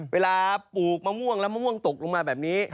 ปลูกมะม่วงแล้วมะม่วงตกลงมาแบบนี้